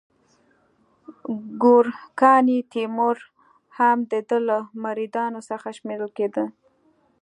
ګورکاني تیمور هم د ده له مریدانو څخه شمیرل کېده.